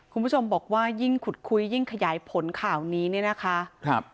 คุณผู้ชมบอกว่ายิ่งขุดคุยยิ่งขยายผลข่าวนี้เนี่ยนะคะครับ